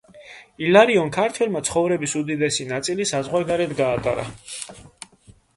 ილარიონ ქართველმა ცხოვრების უდიდესი ნაწილი საზღვარგარეთ გაატარა.